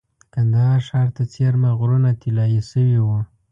د کندهار ښار ته څېرمه غرونه طلایي شوي وو.